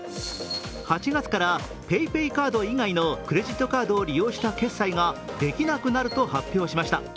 ８月からＰａｙＰａｙカード以外のクレジットカードを利用した決済ができなくなると発表しました。